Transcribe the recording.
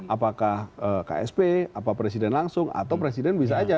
apakah ksp apa presiden langsung atau presiden bisa aja